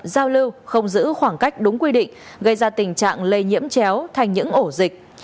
giao lưu không giữ khoảng cách đúng quy định gây ra tình trạng lây nhiễm chéo thành những ổ dịch